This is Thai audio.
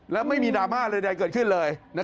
แล้วไม่มีดราม่าใดเกิดขึ้นเลย